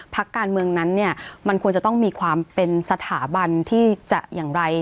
พักการเมืองนั้นเนี่ยมันควรจะต้องมีความเป็นสถาบันที่จะอย่างไร